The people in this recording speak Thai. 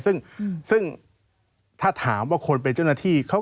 ซึ่งถ้าถามว่าคนเป็นเจ้าหน้าที่เขา